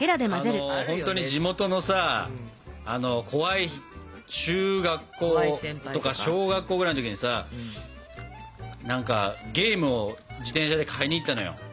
ほんとに地元のさ怖い中学校とか小学校ぐらいの時にさゲームを自転車で買いに行ったのよ。